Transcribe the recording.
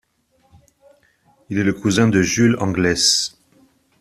Il est le cousin de Jules Anglès.